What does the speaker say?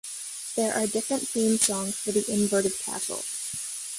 There are different theme songs for the Inverted Castle.